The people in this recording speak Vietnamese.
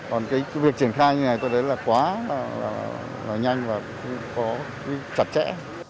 còn cái việc triển khai như này tôi thấy là quá nhanh và có chặt chẽ